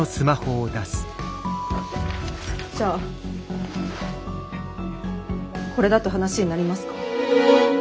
じゃあこれだと話になりますか？